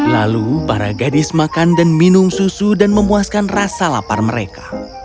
lalu para gadis makan dan minum susu dan memuaskan rasa lapar mereka